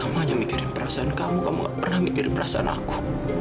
kamu hanya mikirin perasaan kamu kamu gak pernah mikirin perasaan aku